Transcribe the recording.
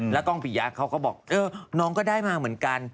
แล้วกล้องปียะเขาก็บอกเออน้องก็ได้มาเหมือนกัน